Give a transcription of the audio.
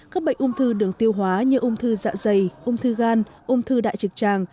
các bệnh ung thư đường tiêu hóa như ung thư dạ dày ung thư gan ung thư đại trực tràng